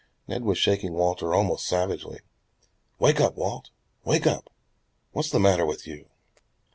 Ned was shaking Walter almost savagely. "Wake up, Walt! Wake up! What's the matter with you?"